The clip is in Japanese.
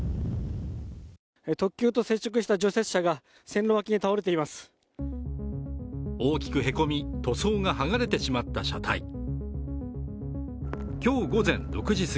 特急と接触した除雪車が線路脇に倒れています。